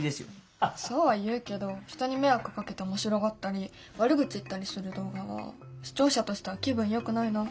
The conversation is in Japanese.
そうは言うけど人に迷惑をかけて面白がったり悪口言ったりする動画は視聴者としては気分よくないな。